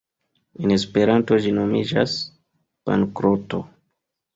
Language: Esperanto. “En Esperanto ĝi nomiĝas ‘bankroto’.